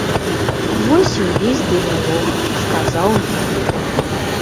Вось і ўвесь дыялог, сказаў венгр.